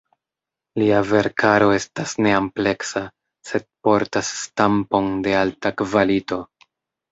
Lia verkaro estas neampleksa, sed portas stampon de alta kvalito.